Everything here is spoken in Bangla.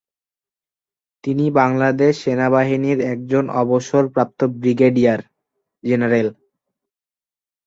তিনি বাংলাদেশ সেনাবাহিনীর একজন অবসর প্রাপ্ত ব্রিগেডিয়ার জেনারেল।